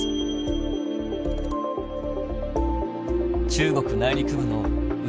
中国内陸部の内